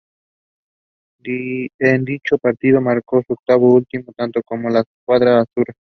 En dicho partido marcó su octavo y último tanto con "La Squadra Azzurra".